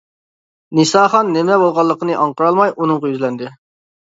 نىساخان نېمە بولغانلىقىنى ئاڭقىرالماي ئۇنىڭغا يۈزلەندى.